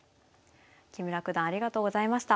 木村九段ありがとうございました。